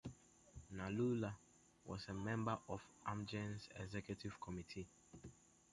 Nanula was a member of Amgen's executive committee.